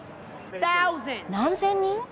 何千人？